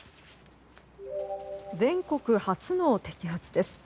全国初の摘発です。